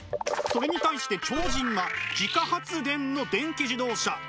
それに対して超人は自家発電の電気自動車。